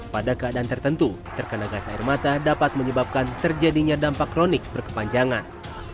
pada keadaan tertentu terkena gas air mata dapat menyebabkan terjadinya dampak kronik berkepanjangan